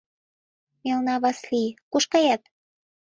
Мелна Васлий, куш кает?